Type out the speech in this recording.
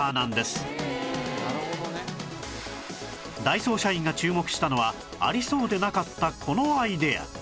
ダイソー社員が注目したのはありそうでなかったこのアイデア